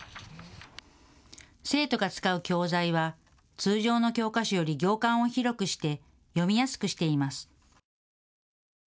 生徒が使う教材は通常の教科書より行間を広くして読みやすくしています。